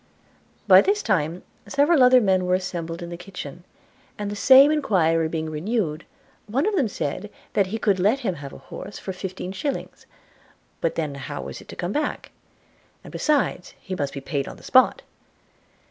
By this time several other men were assembled in the kitchen; and the same enquiry being renewed, one of them said, that he could let him have an horse for fifteen shillings: but then how was it to come back? and besides, he must be paid on the spot.